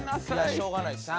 しょうがないですね。